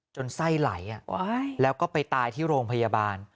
ไส้ไหลแล้วก็ไปตายที่โรงพยาบาล